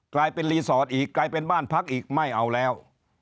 กลายเป็นรีสอร์ทอีกกลายเป็นบ้านพักอีกไม่เอาแล้ว